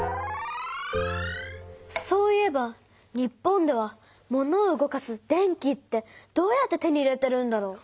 そういえば日本ではモノを動かす電気ってどうやって手に入れてるんだろう？